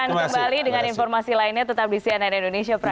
dan kami akan kembali dengan informasi lainnya tetap di cnn indonesia prime